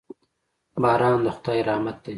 باران د خدای رحمت دی.